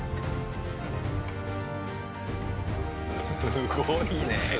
すごいね！